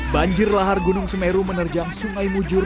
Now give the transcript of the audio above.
banjir lahar gunung semeru menerjang sungai mujur